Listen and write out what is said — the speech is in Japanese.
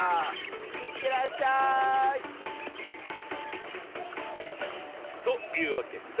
いってらっしゃい！というわけさ。